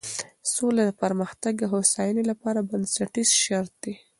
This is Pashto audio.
سوله د پرمختګ او هوساینې لپاره بنسټیز شرط دی.